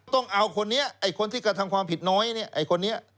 ต้องเอาคนนี้ไอ้คนที่กระทำความผิดน้อยเนี่ยไอ้คนนี้